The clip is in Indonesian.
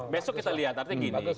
besok kita lihat artinya gini